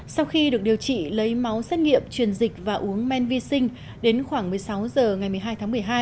sau khi được điều trị lấy máu xét nghiệm truyền dịch và uống men vi sinh đến khoảng một mươi sáu h ngày một mươi hai tháng một mươi hai